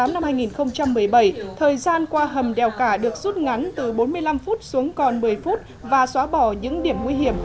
năm hai nghìn một mươi bảy thời gian qua hầm đèo cả được rút ngắn từ bốn mươi năm phút xuống còn một mươi phút và xóa bỏ những điểm nguy hiểm